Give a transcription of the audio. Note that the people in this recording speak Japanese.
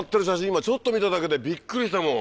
今ちょっと見ただけでビックリしたもん。